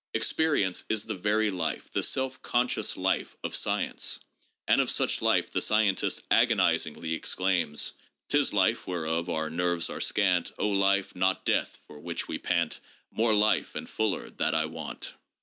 Experience is the very life, the self conscious life, of science, and of such life the scientist agonisingly exclaims :" 'Tis life, whereof our nerves are scant, Oh life, not death, for which we pant ; More life, and fuller, that I want."